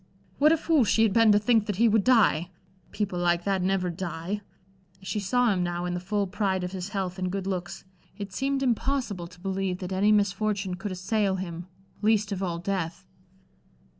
What a fool she had been to think that he would die! People like that never die. As she saw him now, in the full pride of his health and good looks, it seemed impossible to believe that any misfortune could assail him least of all death!